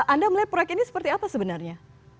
anda melihat proyek ini seperti apa sebenarnya